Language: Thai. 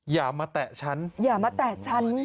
อย่ามาแตะฉัน